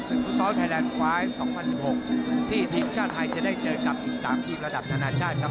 ฟุตซอลไทยแลนด์ไฟล์๒๐๑๖ที่ทีมชาติไทยจะได้เจอกับอีก๓ทีมระดับนานาชาติครับ